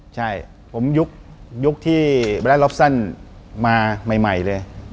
ใช่ผมยุคที่แบรนด์ลอฟซั่นมาใหม่เลย